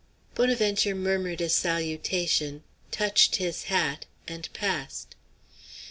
Bonaventure murmured a salutation, touched his hat, and passed.